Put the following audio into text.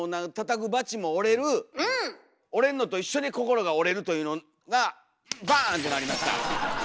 折れんのと一緒に心が折れるというのがバーン！ってなりました。